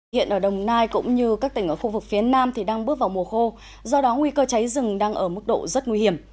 hiện ở đồng nai cũng như các tỉnh ở khu vực phía nam đang bước vào mùa khô do đó nguy cơ cháy rừng đang ở mức độ rất nguy hiểm